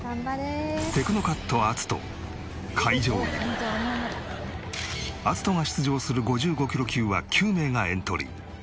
迎えたアツトが出場する５５キロ級は９名がエントリー。